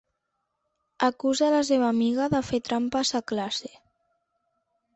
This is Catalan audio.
Acusa la seva amiga de fer trampes a classe.